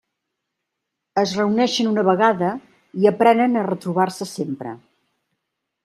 Es reuneixen una vegada i aprenen a retrobar-se sempre.